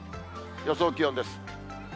予想気温です。